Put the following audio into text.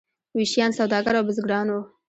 ویشیان سوداګر او بزګران وو.